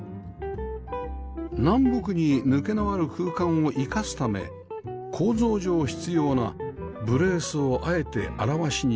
南北に抜けのある空間を生かすため構造上必要なブレースをあえて現しにしました